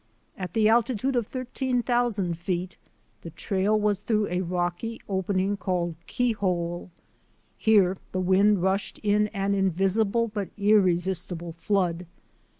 At the altitude of thirteen thousand feet, the trail was through a rocky opening called Keyhole. Here the wind rushed in an invisible but irresisti ble flood.